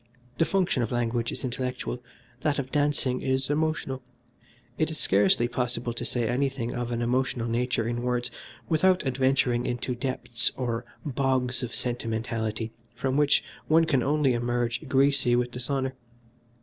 The function of language is intellectual, that of dancing is emotional. It is scarcely possible to say anything of an emotional nature in words without adventuring into depths or bogs of sentimentality from which one can only emerge greasy with dishonour.